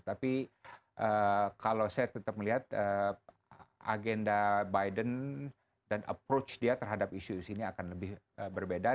tapi kalau saya tetap melihat agenda biden dan approach dia terhadap isu isu ini akan lebih berbeda